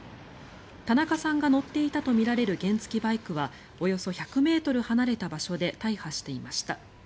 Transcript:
田中さんが乗っていたとみられる原付きバイクはおよそ１００ｍ離れた場所で大破していました。